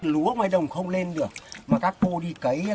lúa ngoài đồng không lên được mà các cô đi cấy là nó còn rẻ